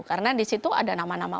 karena di situ ada nama nama orang